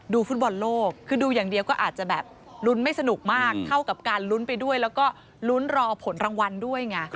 ฟุตบอลโลกคือดูอย่างเดียวก็อาจจะแบบลุ้นไม่สนุกมากเท่ากับการลุ้นไปด้วยแล้วก็ลุ้นรอผลรางวัลด้วยไง